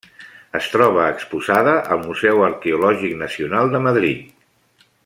Es troba exposada al Museu Arqueològic Nacional de Madrid.